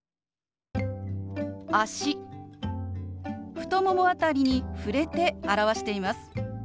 太もも辺りに触れて表しています。